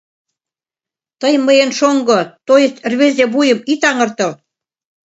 Тый мыйын шоҥго... тойысть рвезе вуйым ит аҥыртыл.